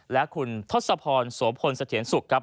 และคุณทศพรสวพลสะเถียนสุกครับ